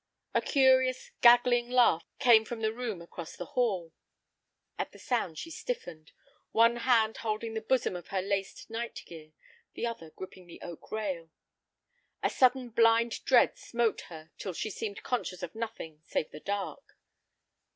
A curious, "gaggling" laugh came from the room across the hall. At the sound she stiffened, one hand holding the bosom of her laced night gear, the other gripping the oak rail. A sudden blind dread smote her till she seemed conscious of nothing save the dark.